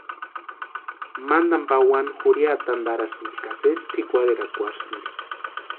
Mantani pawani jurhiata antarasïnti ka sési pʼikwarherakwarhisïnti.